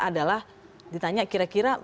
adalah ditanya kira kira